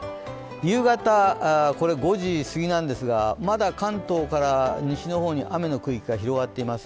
夕方、５時すぎなんですが、まだ関東から西の方に雨の区域が広がっています。